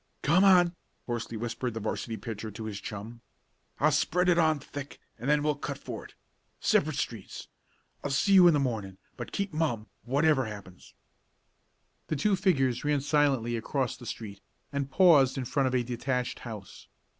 "Come on!" hoarsely whispered the 'varsity pitcher to his chum. "I'll spread it on thick and then we'll cut for it. Separate streets. I'll see you in the morning, but keep mum, whatever happens." The two figures ran silently across the street, and paused in front of a detached house.